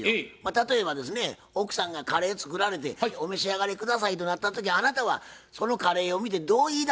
例えばですね奥さんがカレー作られてお召し上がり下さいとなった時あなたはそのカレーを見てどう言いだしますか？